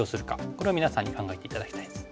これを皆さんに考えて頂きたいです。